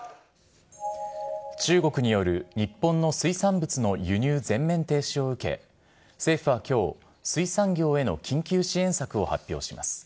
中国による日本の水産物の輸入全面停止を受け、政府はきょう、水産業への緊急支援策を発表します